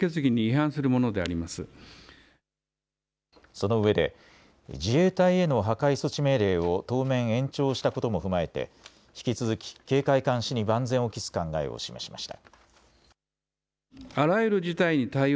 そのうえで自衛隊への破壊措置命令を当面延長したことも踏まえて引き続き警戒監視に万全を期す考えを示しました。